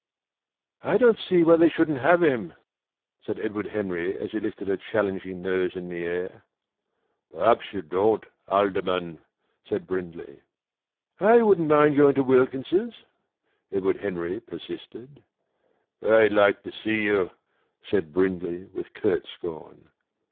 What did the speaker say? "I don't see why they shouldn't have him," said Edward Henry, as he lifted a challenging nose in the air. "Perhaps you don't, Alderman!" said Brindley. "I wouldn't mind going to Wilkins's," Edward Henry persisted. "I'd like to see you," said Brindley, with curt scorn.